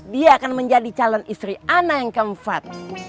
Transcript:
dia akan menjadi calon istri anak yang keempat